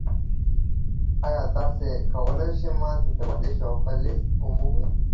ایا تاسو کولی شئ ما ته د ورزش یو ښه لیست ومومئ؟